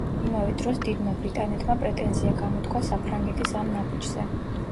იმავე დროს დიდმა ბრიტანეთმა პრეტენზია გამოთქვა საფრანგეთის ამ ნაბიჯზე.